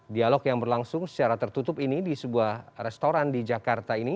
dialog yang berlangsung secara tertutup ini di sebuah restoran di jakarta ini